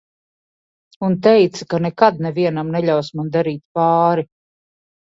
Un teica, ka nekad nevienam neļaus man darīt pāri.